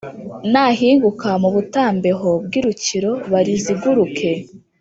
nahinguka mu butambeho bwirukiro bariziguruke.